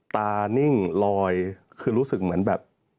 นิ่งลอยคือรู้สึกเหมือนแบบ